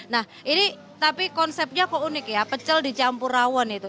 nah ini tapi konsepnya kok unik ya pecel dicampur rawon itu